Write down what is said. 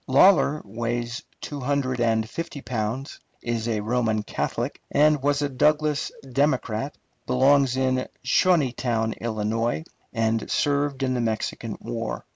Lawler weighs two hundred and fifty pounds, is a Roman Catholic, and was a Douglas Democrat, belongs in Shawneetown, Ill., and served in the Mexican War.